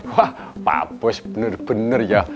wah pak bos bener bener ya